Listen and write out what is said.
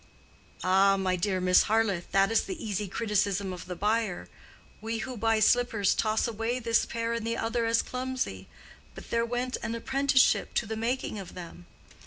"Ah, my dear Miss Harleth, that is the easy criticism of the buyer. We who buy slippers toss away this pair and the other as clumsy; but there went an apprenticeship to the making of them.